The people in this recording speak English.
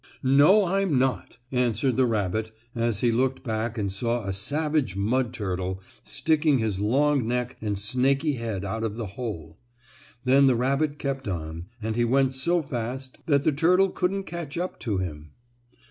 "No, I'm not!" answered the rabbit, as he looked back and saw a savage mud turtle sticking his long neck and snaky head out of the hole. Then the rabbit kept on, and he went so fast that the turtle couldn't catch up to him.